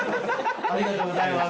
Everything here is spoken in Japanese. ありがとうございます。